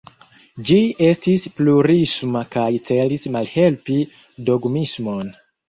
Ĝi estis plurisma kaj celis malhelpi dogmismon.